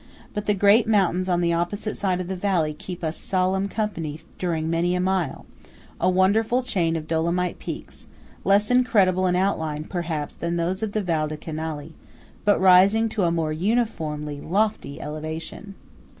But the great mountains on the opposite side of the valley keep us solemn company during many a mile–a wonderful chain of Dolomite peaks, less incredible in outline, perhaps, than those of the Val di Canali, 20 but rising to a more uniformly lofty elevation.